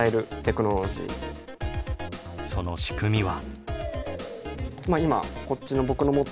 その仕組みは？